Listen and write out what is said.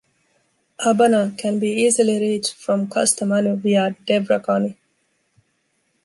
Abana can be easily reached from Kastamonu via Devrakani.